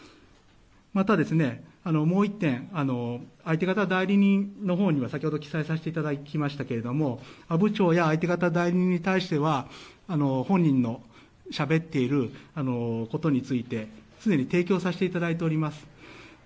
また、もう１点相手方、代理人のほうには先ほど記載させていただきましたが阿武町や相手方代理人に対しては本人のしゃべっていることについてすでに提供させていただいております。